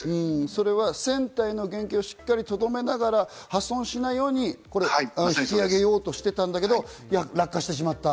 それは船体の原形をしっかり、とどめながら破損しないように引き揚げようとしていたんだけれども落下してしまった。